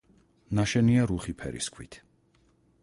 ნაშენია რუხი ფერის ქვით.